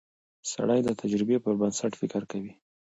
سړی د تجربې پر بنسټ فکر کوي